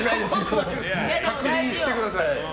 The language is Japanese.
確認してください。